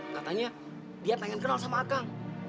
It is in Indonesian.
katanya dia pengen kenal sama kang